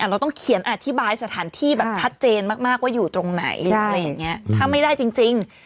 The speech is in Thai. เราต้องเขียนอธิบายสถานที่แบบชัดเจนมากว่าอยู่ตรงไหนอะไรอย่างนี้ถ้าไม่ได้จริง